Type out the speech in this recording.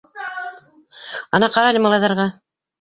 Ана, ҡарале малайҙарға.